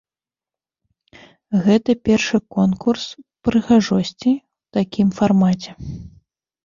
Гэта першы конкурс прыгажосці ў такім фармаце.